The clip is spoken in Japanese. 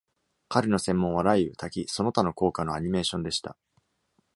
彼の専門は、雷雨、滝、その他の効果のアニメーションでした。